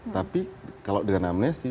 tapi kalau dengan amnesti